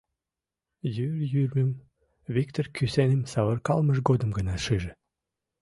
Йӱр йӱрмым Виктыр кӱсеным савыркалымыж годым гына шиже.